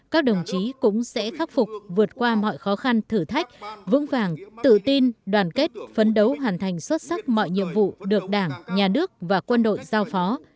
các đồng chí cũng sẽ khắc phục vượt qua mọi khó khăn thử thách vững vàng tự tin đoàn kết phấn đấu hoàn thành xuất sắc mọi nhiệm vụ được đảng nhà nước và quân đội giao phó